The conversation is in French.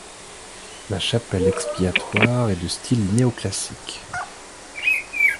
La chapelle expiatoire est de style néo-classique.